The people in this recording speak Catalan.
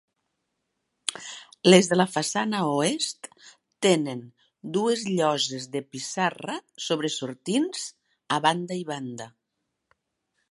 Les de la façana oest tenen dues lloses de pissarra sobresortints a banda i banda.